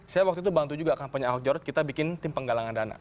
saya waktu itu bantu juga kampanye ahok jarot kita bikin tim penggalangan dana